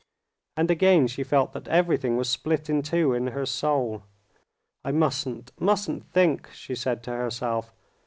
And again she felt that everything was split in two in her soul. "I mustn't, mustn't think," she said to herself.